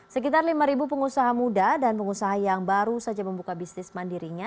sekitar lima pengusaha muda dan pengusaha yang baru saja membuka bisnis mandirinya